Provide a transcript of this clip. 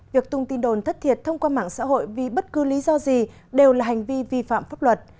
việc tung tin đồn thất thiệt thông qua mạng xã hội vì bất cứ lý do gì đều là hành vi vi phạm pháp luật